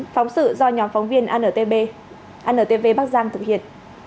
phóng sự do nhóm phóng viên antv antv bắc giang thực hiện